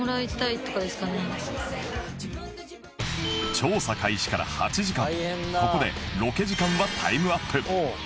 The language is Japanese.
調査開始から８時間ここでロケ時間はタイムアップ